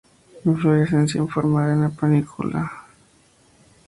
Inflorescencia en forma de una panícula; brácteas pelosas.